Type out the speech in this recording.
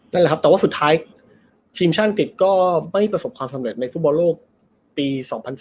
แต่ว่าสุดท้ายก็ไม่ประสบความสำเร็จในฟุตบอลโลกที่๒๐๐๒